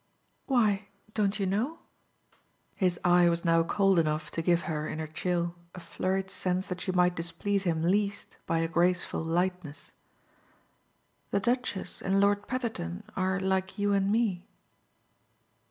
"Why, don't you know?" His eye was now cold enough to give her, in her chill, a flurried sense that she might displease him least by a graceful lightness. "The Duchess and Lord Petherton are like you and me."